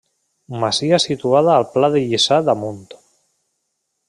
Masia situada al pla de Lliçà d’Amunt.